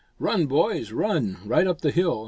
"Run, boys, run! right up the hill!